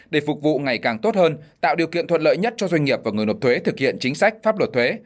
để phục vụ ngày càng tốt hơn tạo điều kiện thuận lợi nhất cho doanh nghiệp và người nộp thuế thực hiện chính sách pháp luật thuế